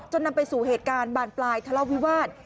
นำไปสู่เหตุการณ์บานปลายทะเลาวิวาส